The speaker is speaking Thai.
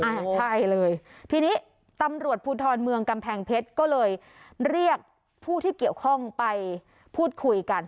อ่าใช่เลยทีนี้ตำรวจภูทรเมืองกำแพงเพชรก็เลยเรียกผู้ที่เกี่ยวข้องไปพูดคุยกัน